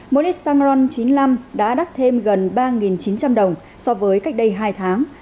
mỗi lít xăng ron chín mươi năm đã đắt thêm gần ba chín trăm linh đồng so với cách đây hai tháng